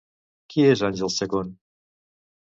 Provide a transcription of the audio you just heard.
Qui és Àngels Chacón?